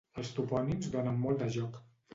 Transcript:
Els topònims donen molt de joc.